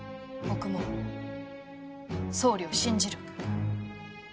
僕も総理を信じる。